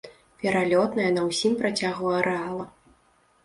Пералётная на ўсім працягу арэала.